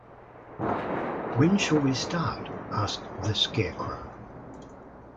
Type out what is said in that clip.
When shall we start? asked the Scarecrow.